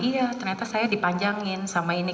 iya ternyata saya dipanjangin sama ini